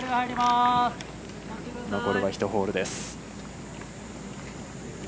残るは１ホールです。